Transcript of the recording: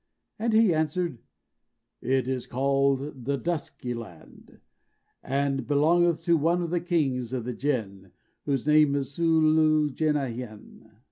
And he answered, "It is called the Dusky Land, and belongeth to one of the kings of the Jinn, whose name is Zu l Jenáheyn.